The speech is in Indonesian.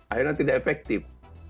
akhirnya tidak efektif